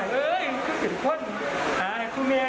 เราก็จะเอา๖๐กรัมให้